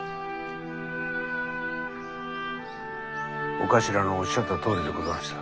お頭のおっしゃったとおりでござんした。